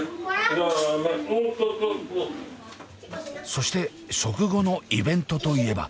そして食後のイベントといえば。